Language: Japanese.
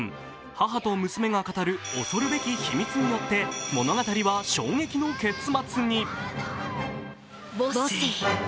母と娘が語る恐るべき秘密によって、物語は衝撃の結末に。